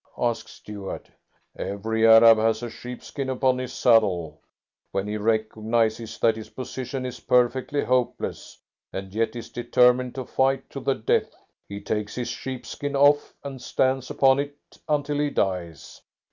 asked Stuart. "Every Arab has a sheepskin upon his saddle. When he recognises that his position is perfectly hopeless, and yet is determined to fight to the death, he takes his sheepskin off and stands upon it until he dies.